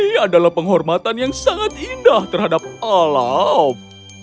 ini adalah penghormatan yang sangat indah terhadap alam